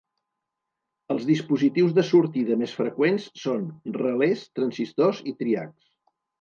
Els dispositius de sortida més freqüents són relés, transistors i triacs.